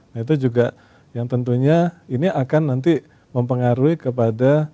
nah itu juga yang tentunya ini akan nanti mempengaruhi kepada